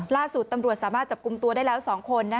ล่าสุดตำรวจสามารถจับกลุ่มตัวได้แล้ว๒คน